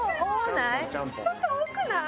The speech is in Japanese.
ちょっと多ない？